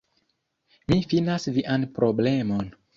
Mi finas vian problemon